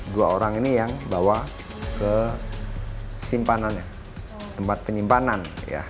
dua orang ini yang bawa ke si tempat penyimpanan ya